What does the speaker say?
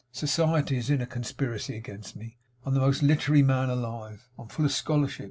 Society is in a conspiracy against me. I'm the most literary man alive. I'm full of scholarship.